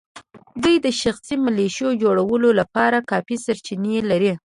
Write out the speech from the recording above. دوی د شخصي ملېشو جوړولو لپاره کافي سرچینې لري.